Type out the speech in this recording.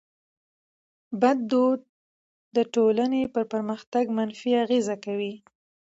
بد دود د ټټولني پر پرمختګ منفي اغېز کوي.